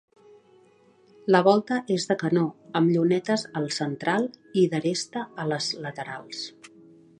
La volta és de canó amb llunetes al central i d'aresta a les laterals.